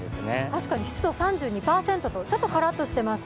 確かに湿度３２％とちょっとカラッとしています。